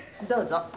どうぞ。